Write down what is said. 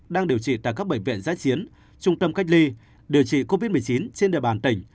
đang điều trị tại các bệnh viện giã chiến trung tâm cách ly điều trị covid một mươi chín trên địa bàn tỉnh